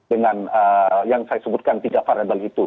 dengan yang saya sebutkan tiga variable itu